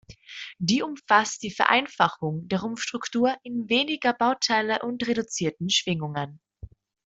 Die umfasst die Vereinfachung der Rumpfstruktur in weniger Bauteile und reduzierten Schwingungen.